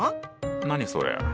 何それ？